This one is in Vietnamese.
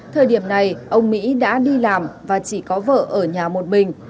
thời điểm này ông mỹ đã đi làm và chỉ có vợ ở nhà một mình